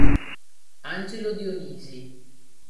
Angelo Dionisi